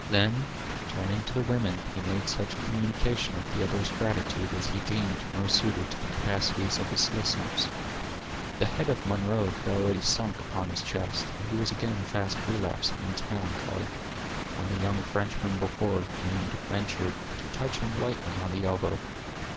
Then turning to the women, he made such a communication of the other's gratitude as he deemed most suited to the capacities of his listeners. The head of Munro had already sunk upon his chest, and he was again fast relapsing into melancholy, when the young Frenchman before named ventured to touch him lightly on the elbow.